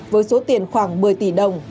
với số tiền khoảng một mươi tỷ đồng